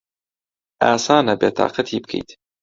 ئاسانە بێتاقەتی بکەیت.